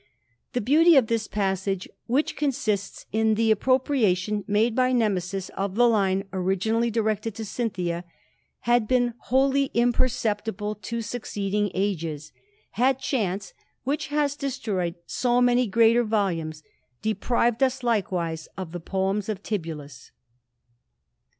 The beauty of this passage, which consists in the appropriation made by Nemesis of the line originally ^^*fected to Cjmthia, had been wholly imperceptible to succeeding ages, had chance, which has destroyed so many S'^ater volumes, deprived us likewise of the poems of Tibullus.